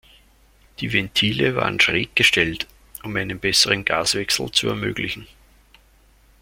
Die Ventile waren schräg gestellt, um einen besseren Gaswechsel zu ermöglichen.